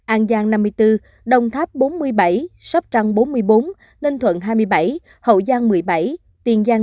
an giang năm mươi bốn đồng tháp bốn mươi bảy sóc trăng bốn mươi bốn ninh thuận hai mươi bảy hậu giang một mươi bảy tiền giang